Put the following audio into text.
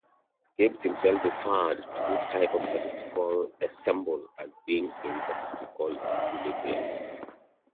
Gibbs himself referred to this type of statistical ensemble as being in "statistical equilibrium".